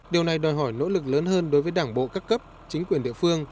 điều này đòi hỏi nỗ lực lớn hơn đối với đảng bộ các cấp chính quyền địa phương